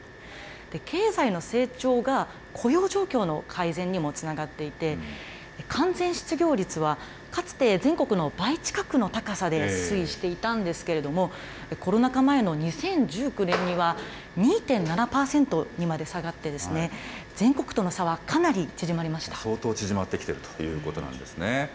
経済の成長が雇用状況の改善にもつながっていて、完全失業率はかつて全国の倍近くの高さで推移していたんですけれども、コロナ禍前の２０１９年には、２．７％にまで下がって、全国との差はかな相当縮まってきているということなんですね。